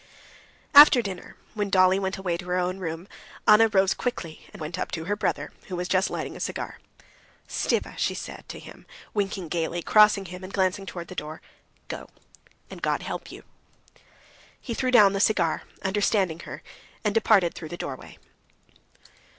After dinner, when Dolly went away to her own room, Anna rose quickly and went up to her brother, who was just lighting a cigar. "Stiva," she said to him, winking gaily, crossing him and glancing towards the door, "go, and God help you." He threw down the cigar, understanding her, and departed through the doorway.